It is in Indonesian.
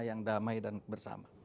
yang damai dan bersama